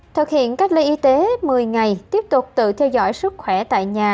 thực hiện cách ly y tế một mươi ngày tiếp tục tự theo dõi sức khỏe tại nhà